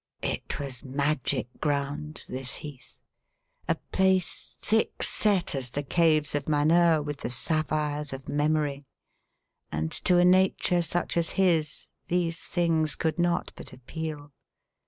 It was magic ground, this heath a place thick set as the Caves of Manheur with the Sapphires of Memory and to a nature such as his these things could not but appeal.